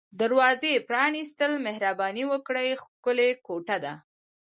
دروازه یې پرانیستل، مهرباني وکړئ، ښکلې کوټه ده.